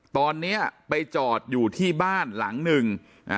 ตอนนี้ไปจอดอยู่ที่บ้านหลังหนึ่ง